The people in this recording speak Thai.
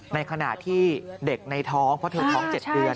ในขณะที่เด็กในท้องเพราะเธอท้อง๗เดือน